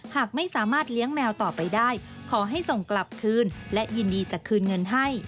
หากไม่สามารถเลี้ยงแมวต่อไปได้ขอให้ส่งกลับคืนและยินดีจะคืนเงินให้